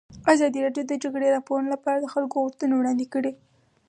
ازادي راډیو د د جګړې راپورونه لپاره د خلکو غوښتنې وړاندې کړي.